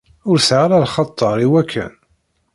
Ur sεiɣ ara lxaṭer i wakken.